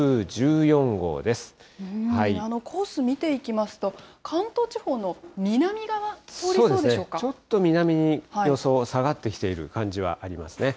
コース見ていきますと、関東ちょっと南に予想下がってきている感じはありますね。